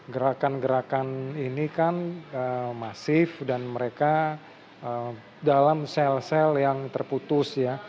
gerakan gerakan ini kan masif dan mereka dalam sel sel yang terputus ya